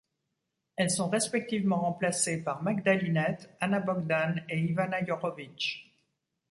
Elles sont respectivement remplacées par Magda Linette, Ana Bogdan et Ivana Jorović.